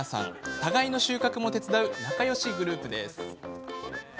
互いの収穫も手伝う仲よしグループです。